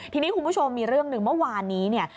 ทีนี้คุณผู้ชมมีเรื่องหนึ่งเมื่อวานนี้เนี่ย